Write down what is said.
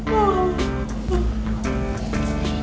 ya emangnya nyicil teh